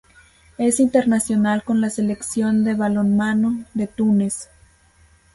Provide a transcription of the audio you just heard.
Es internacional con la selección de balonmano de Túnez.